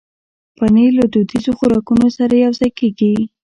پنېر له دودیزو خوراکونو سره هم یوځای کېږي.